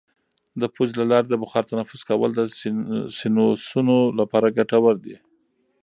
د پوزې له لارې د بخار تنفس کول د سینوسونو لپاره ګټور دي.